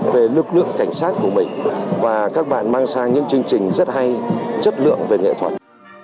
về lực lượng cảnh sát của mình và các bạn mang sang những chương trình rất hay chất lượng về nghệ thuật